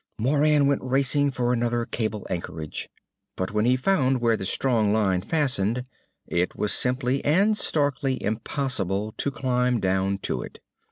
Moran went racing for another cable anchorage. But when he found where the strong line fastened, it was simply and starkly impossible to climb down to it.